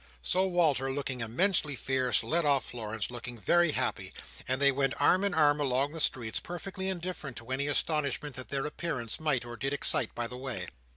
So Walter, looking immensely fierce, led off Florence, looking very happy; and they went arm in arm along the streets, perfectly indifferent to any astonishment that their appearance might or did excite by the way.